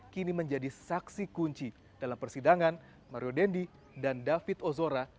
kini menjadi saksi kunci dalam persidangan mario dendi dan david ozora